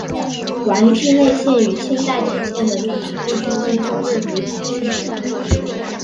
丸之内线与千代田线的转乘必须经过日比谷线月台。